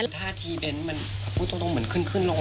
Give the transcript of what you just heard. ถ้าที่เบ้นมันกำลังเหมือนขึ้นลง